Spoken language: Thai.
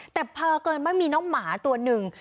แต่เพลินว่ามีน้องหมาตัวหนึ่ง